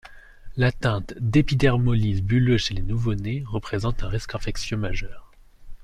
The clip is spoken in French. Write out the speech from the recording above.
L’atteinte d’épidermolyse bulleuse chez les nouveau nés représente un risque infectieux majeur.